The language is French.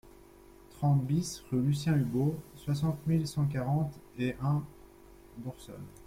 trente BIS rue Lucien Hubaut, soixante mille cent quarante et un Boursonne